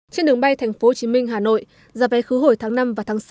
trên đường bay tp hcm hà nội giá vé khứ hồi tháng năm và tháng sáu